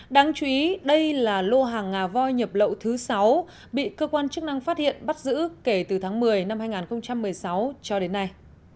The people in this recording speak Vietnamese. đáng chú ý đây là lô hàng ngà voi nhập lậu thứ sáu bị cơ quan chức năng phát hiện bắt giữ kể từ tháng một mươi năm hai nghìn một mươi sáu cho đến nay